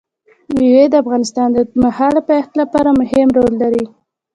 مېوې د افغانستان د اوږدمهاله پایښت لپاره مهم رول لري.